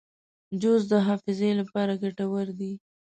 جوز د حافظې لپاره ګټور دي.